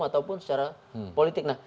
atau secara politik